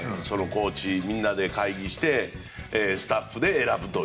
コーチみんなで会議してスタッフが選ぶと。